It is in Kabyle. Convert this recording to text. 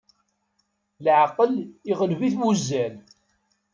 Leɛqel iɣleb-it wuzzal.